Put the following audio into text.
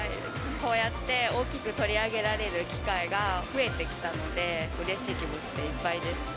こうやって、大きく取り上げられる機会が増えてきたので、うれしい気持ちでいっぱいです。